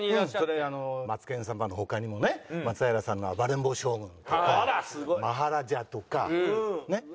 『マツケンサンバ』の他にもね松平さんの『暴れん坊将軍』とか『マハラジャ』とかねっ。